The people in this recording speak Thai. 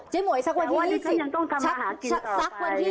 แต่ว่าดิฉันยังต้องทำอาหารกินต่อไป